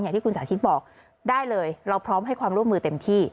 ที่คุณสาธิตบอกได้เลยเราพร้อมให้ความร่วมมือเต็มที่